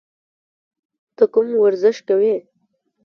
ته کوم ورزش کوې؟